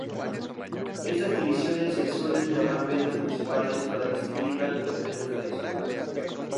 Estas divisiones se suelen llamar vendas municipales para distinguirlas de las vendas tradicionales.